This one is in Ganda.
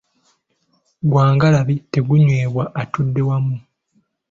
Gwa ngalabi, tegunywebwa atudde wamu.